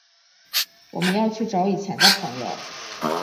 我们要去找以前的朋友